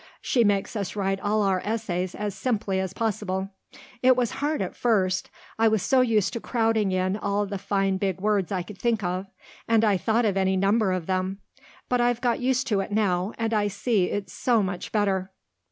She makes us write all our essays as simply as possible. It was hard at first. I was so used to crowding in all the fine big words I could think of and I thought of any number of them. But I've got used to it now and I see it's so much better."